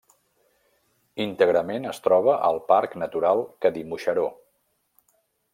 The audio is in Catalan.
Íntegrament es troba al parc natural Cadí-Moixeró.